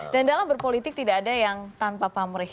dan dalam berpolitik tidak ada yang tanpa pamrih